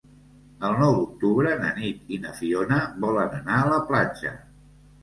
El nou d'octubre na Nit i na Fiona volen anar a la platja.